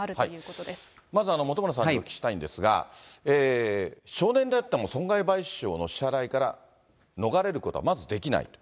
まず本村さんにお聞きしたいんですが、少年であっても損害賠償の支払いから逃れることはまずできないと。